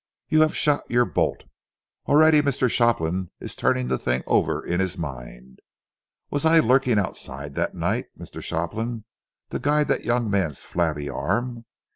You have shot your bolt. Already Mr. Shopland is turning the thing over in his mind. Was I lurking outside that night, Mr. Shopland, to guide that young man's flabby arm?